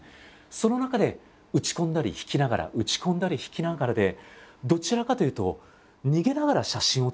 その中で打ち込んだり引きながら打ち込んだり引きながらで